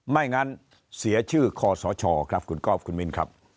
ไม่งั้นเสียชื่อคอสชครับคุณก๊อฟคุณมินครับ